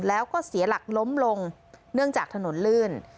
แล้วก็เสียหลักล้มลงเนื่องจากถนนลื่น